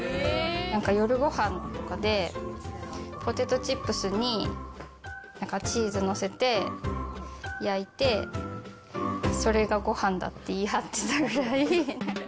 なんか、夜ごはんとかでポテトチップスにチーズ載せて、焼いて、それがごはんだって言い張ってたぐらい。